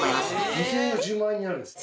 ２０００円が１０万円になるんですか？